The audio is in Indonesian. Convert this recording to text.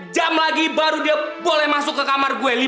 empat jam lagi baru dia boleh masuk ke kamar gue lima